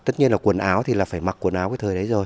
tất nhiên là quần áo thì là phải mặc quần áo cái thời đấy rồi